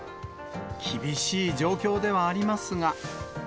厳しい状況ではありますが。